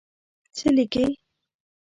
څه لیکې.